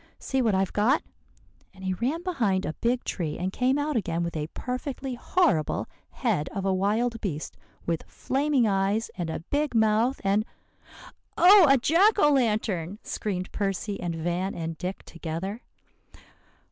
See what I've got;' and he ran behind a big tree, and came out again with a perfectly horrible head of a wild beast with flaming eyes and a big mouth and " "Oh, a jack o lantern!" screamed Percy and Van and Dick together.